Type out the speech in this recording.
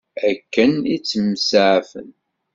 Akken i ttemsaɛafen.